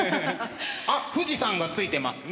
あっ富士山がついてますね。